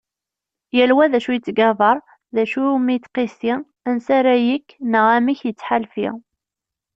Yal wa d acu yettgabar, d acu iwumi yettqissi, ansa ara yekk neɣ amek yettḥalfi.